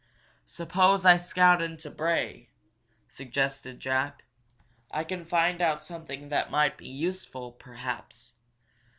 "Suppose I scout into Bray?" suggested Jack. "I can find out something that might be useful, perhaps.